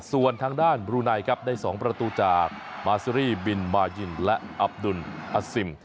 ส่วนทางด้านบรูไนครับได้๒ประตูจากมาซิรี่บินมายินและอับดุลอาซิม